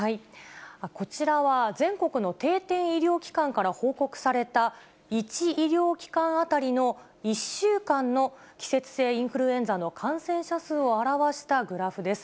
こちらは全国の定点医療機関から報告された、１医療機関当たりの１週間の季節性インフルエンザの感染者数を表したグラフです。